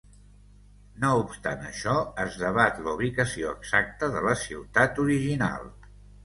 No obstant això, es debat la ubicació exacta de la ciutat original.